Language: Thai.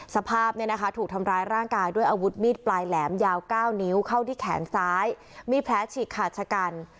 สภาพถูกทำร้ายร่างกายด้วยอาวุธมีดปลายแหลมยาว๙นิ้วเข้าที่แขนซ้ายมีแผลฉีกขาดชะกัน